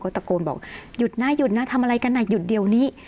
ตะโกนบอกหยุดนะหยุดนะทำอะไรกันอ่ะหยุดเดี๋ยวนี้